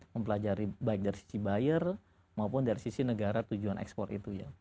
mempelajari baik dari sisi buyer maupun dari sisi negara tujuan ekspor itu ya